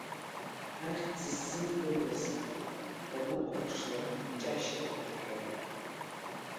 Ахьӡ ззымдыруазгьы, даннахәаԥшлак Ҷашьа иҳәон.